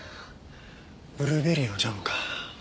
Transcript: ブルーベリーのジャムか。